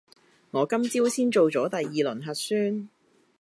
我今朝先做咗第二輪核酸